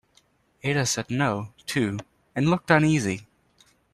Ada said no, too, and looked uneasy.